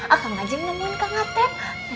akang aja yang nemuin kang ateb